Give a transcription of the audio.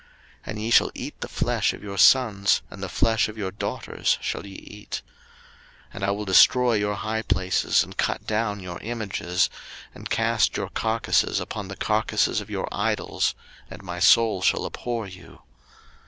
03:026:029 And ye shall eat the flesh of your sons, and the flesh of your daughters shall ye eat. 03:026:030 And I will destroy your high places, and cut down your images, and cast your carcases upon the carcases of your idols, and my soul shall abhor you.